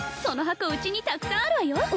その箱うちにたくさんあるわよ